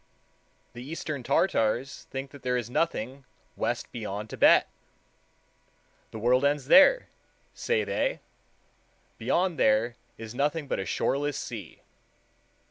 The eastern Tartars think that there is nothing west beyond Thibet. "The world ends there," say they; "beyond there is nothing but a shoreless sea."